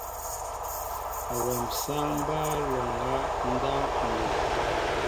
Awem sááŋ mbaa lóŋgá ndáw ndow.